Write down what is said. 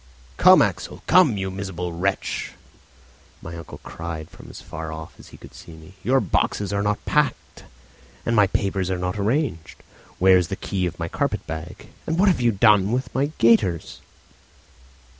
"Come, Axel, come, you miserable wretch," my uncle cried from as far off as he could see me. "Your boxes are not packed, and my papers are not arranged; where's the key of my carpet bag? and what have you done with my gaiters?"